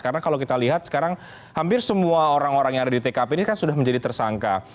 karena kalau kita lihat sekarang hampir semua orang orang yang ada di tkp ini kan sudah menjadi tersangka